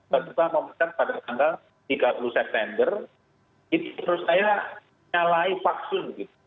mereka juga memecah pada tanggal tiga puluh september terus saya nyalai paksun gitu